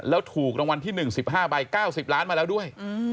แล้วถูกรางวัลที่๑๕ใบ๙๐ล้านมาแล้วด้วย